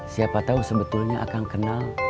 siapa tahu sebetulnya akan kenal